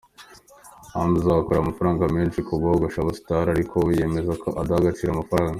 Hamza akorera amafaranga menshi mu kogosha abasitari ariko we yemeza ko adaha agaciro amafaranga.